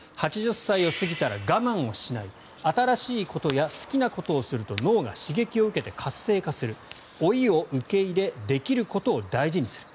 ８０歳を過ぎたら我慢をしない新しいことや好きなことをすると脳が刺激を受けて活性化する老いを受け入れ、できることを大事にする。